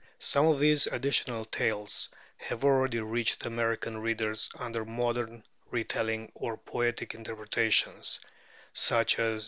Some of these additional tales have already reached American readers under modern retellings or poetic interpretations; such as, _e.